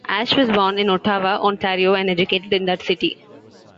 Ashe was born in Ottawa, Ontario, and educated in that city.